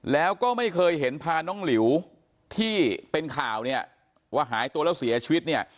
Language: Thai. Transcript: แล้วก็ไม่เคยเห็นพาน้องหลิวที่เป็นข่าวเนี่ยว่าหายตัวแล้วเสียชีวิตเนี่ย